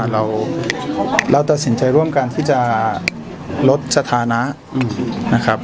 เราตัดสินใจร่วมกันที่จะลดสถานะนะครับ